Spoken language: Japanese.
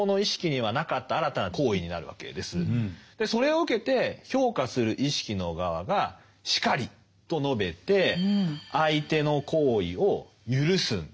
それを受けて評価する意識の側が「然り」と述べて相手の行為を赦すんですね。